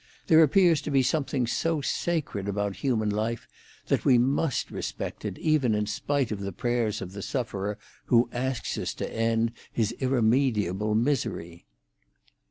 There appears to be something so sacred about human life that we must respect it even in spite of the prayers of the sufferer who asks us to end his irremediable misery."